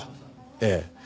ええ。